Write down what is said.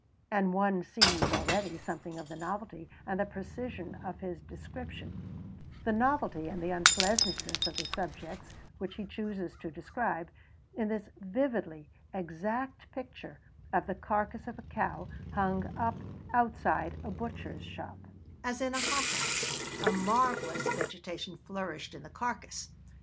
And one sees already something of the novelty and the precision of his description, the novelty and the unpleasantness of the subjects which he chooses to describe, in this vividly exact picture of the carcass of a cow hung up outside a butcher's shop: 'As in a hothouse, a marvellous vegetation flourished in the carcass.